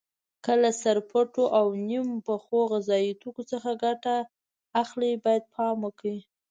که له سرپټو او نیم پخو غذایي توکو څخه ګټه اخلئ باید پام وکړئ.